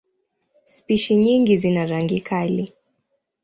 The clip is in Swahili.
Spishi nyingi zina rangi kali.